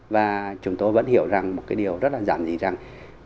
và chúng tôi vẫn hiểu rằng một cái điều rất là giản dị rằng